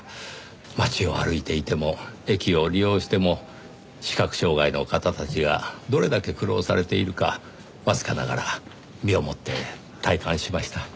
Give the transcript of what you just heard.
街を歩いていても駅を利用しても視覚障碍の方たちがどれだけ苦労されているかわずかながら身をもって体感しました。